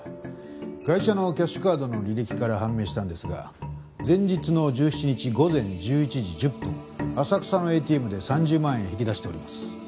ガイシャのキャッシュカードの履歴から判明したんですが前日の１７日午前１１時１０分浅草のＡＴＭで３０万円引き出しております。